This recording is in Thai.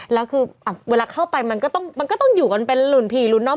แล้วคือเวลาเข้าไปมันก็ต้องอยู่กันเป็นรุ่นผีรุ่นน้อง